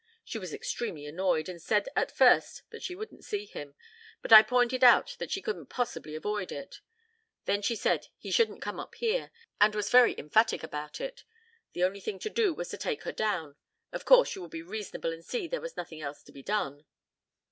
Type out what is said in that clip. She was extremely annoyed and said at first that she wouldn't see him. But I pointed out that she couldn't possibly avoid it. Then she said he shouldn't come up here, and she was very emphatic about it. The only thing to do was to take her down. Of course you will be reasonable and see there was nothing else to be done."